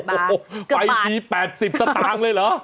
ไปตี๘๐สตางค์เลยเหรอ